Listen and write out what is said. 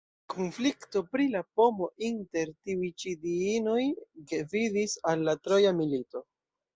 Konflikto pri la pomo inter tiuj ĉi diinoj gvidis al la Troja milito.